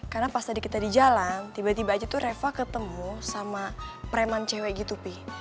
karena pas tadi kita di jalan tiba tiba aja tuh reva ketemu sama preman cewek gitu pi